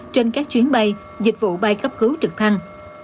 trên các chuyến bay dịch vụ bay cấp cứu trực thăng